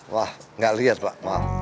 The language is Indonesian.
wah gak liat pak maaf